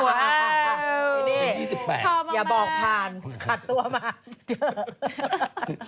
อ้าวอย่างนี้ชอบมากอ๊ะอ้าวอย่าบอกผ่านขัดตัวมาเจอ